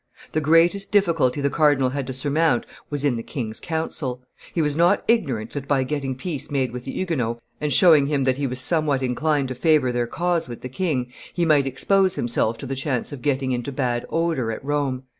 The greatest difficulty the cardinal had to surmount was in the king's council; he was not ignorant that by getting peace made with the Huguenots, and showing him that he was somewhat inclined to favor their cause with the king, he might expose himself to the chance of getting into bad odor at Rome.